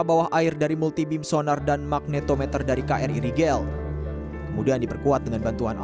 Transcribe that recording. bawah air dari multi beam sonar dan magnetometer dari kri rigel kemudian diperkuat dengan bantuan